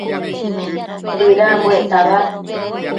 bëdambuec tabad